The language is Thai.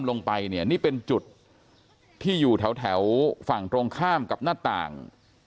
ลงไปเนี่ยนี่เป็นจุดที่อยู่แถวฝั่งตรงข้ามกับหน้าต่าง